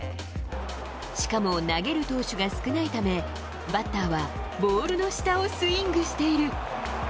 しかも投げる投手が少ないため、バッターはボールの下をスイングしている。